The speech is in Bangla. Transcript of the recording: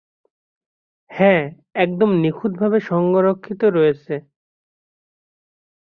হ্যাঁ, একদম নিখুঁতভাবে সংরক্ষিত রয়েছে।